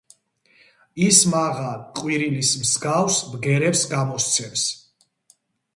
ის მაღალ, ყვირილს მსგავს ბგერებს გამოსცემს.